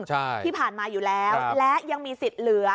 ใช่ที่ผ่านมาอยู่แล้วและยังมีสิทธิ์เหลือ